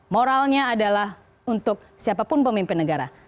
moralnya adalah untuk siapapun pemimpin negara